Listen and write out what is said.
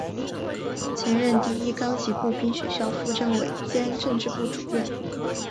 曾任第一高级步兵学校副政委兼政治部主任。